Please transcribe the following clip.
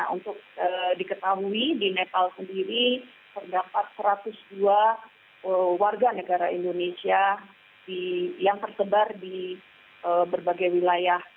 untuk diketahui di nepal sendiri terdapat satu ratus dua warga negara indonesia yang tersebar di berbagai wilayah